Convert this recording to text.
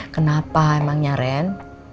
kenapa emangnya ren